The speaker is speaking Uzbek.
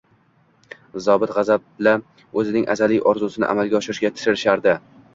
Zobit g`azab-la o`zining azaliy orzusini amalga oshirishga tirishardi